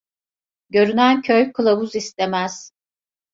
Görünen köy kılavuz istemez.